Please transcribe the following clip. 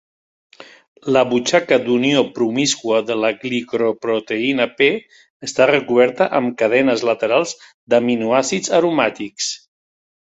La butxaca d'unió promíscua de la glicoproteïna P està recoberta amb cadenes laterals d'aminoàcids aromàtics.